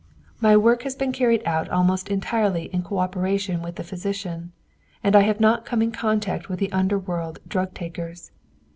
My work has been carried out almost entirely in coöperation with the physician, and I have not come in contact with the under world drug takers.